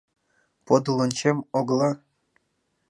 Подыл ончем огыла...